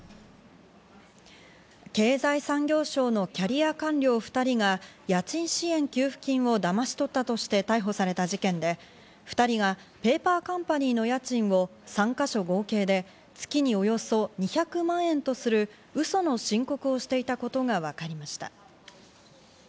経済産業省のキャリア官僚２人が家賃支援給付金をだまし取ったとして逮捕された事件で、２人がペーパーカンパニーの家賃を３か所合計で月におよそ２００万円とする嘘の申告をしていたことがわかりました。